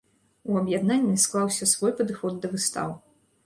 У аб'яднання склаўся свой падыход да выстаў.